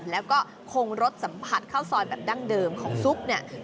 แล้วก็คงรสสัมผัสข้าวซอยแบบดั้งเดิมของซุปเนี่ย